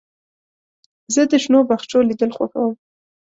زه د شنو باغچو لیدل خوښوم.